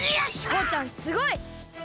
とうちゃんすごい！